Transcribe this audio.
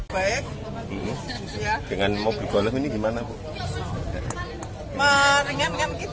kemudian ada dua kuda satu drivernya berapa pak yang siapkan